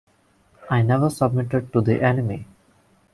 I never submitted to the enemy.